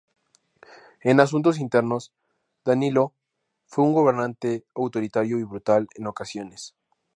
En asuntos internos, Danilo fue un gobernante autoritario y brutal en ocasiones.